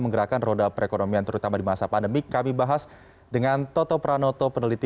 menggerakkan roda perekonomian terutama di masa pandemi kami bahas dengan toto pranoto peneliti